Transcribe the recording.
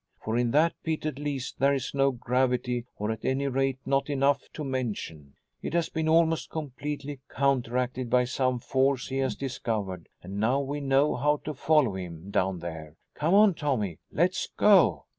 For, in that pit at least, there is no gravity, or at any rate not enough to mention. It has been almost completely counteracted by some force he has discovered and now we know how to follow him down there. Come on Tommy, let's go!"